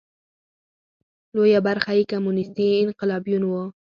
لویه برخه یې کمونېستي انقلابیون وو.